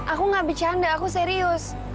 aku gak bercanda aku serius